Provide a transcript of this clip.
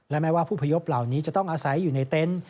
และแม้ว่าผู้พยพเหล่านี้จะต้องอาศัยอยู่ในเต็นต์